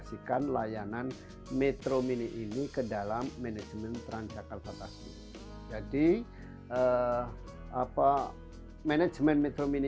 di mana sudah ada pembinaan untuk membangun metro mini